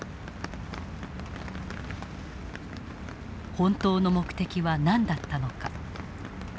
本当の目的は何だったのか。